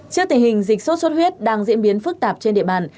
trước tình hình dịch sốt xuất huyết đang diễn biến phức tạp trên địa bàn